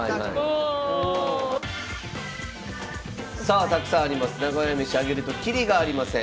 さあたくさんあります。